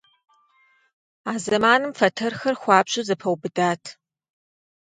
А зэманым фэтэрхэр хуабжьу зэпэубыдат.